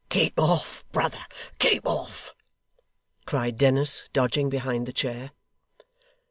'Keep off, brother, keep off!' cried Dennis, dodging behind the chair.